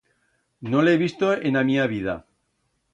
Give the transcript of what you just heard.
No l'he visto en a mía vida.